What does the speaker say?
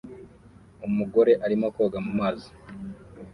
Umugore arimo koga mu mazi